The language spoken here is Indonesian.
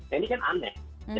ini kan aneh